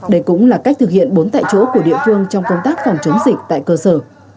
đây cũng là cách thực hiện bốn tại chỗ của địa phương trong công tác phòng chống dịch tại cơ sở